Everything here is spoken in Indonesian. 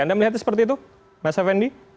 anda melihatnya seperti itu mas effendi